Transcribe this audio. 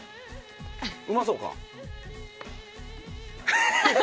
うまそうか？